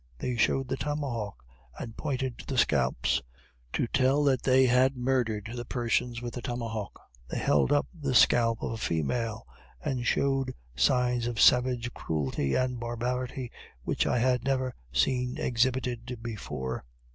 They showed the tomahawk, and pointed to the scalps, to tell that they had murdered the persons with the tomahawk. They held up the scalp of a female and showed signs of savage cruelty and barbarity, which I had never seen exhibited before.